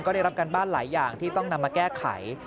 ก็ได้รับการบ้านหลายอย่างที่ต้องนำมาแก้ไข